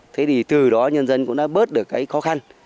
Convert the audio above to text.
thế thì từ đó nhân dân cũng đã bớt được cái khó khăn